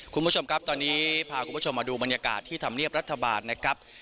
คุณผู้ชมครับตอนนี้พาคุณผู้ชมมาดูบรรยากาศที่ธรรมเนียบรัฐบาลนะครับ